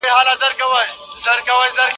شېدې او وريجې ګډې شوې جوړوي.